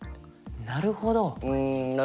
んなるほど！